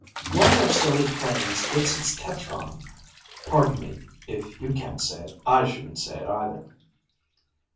One of our silly planes gets its tetron (Pardon me. If you can't say it, I shouldn't say it either.)